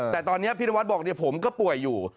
แต่ตอนนี้พี่นวัดบอกผมก็ป่วยอยู่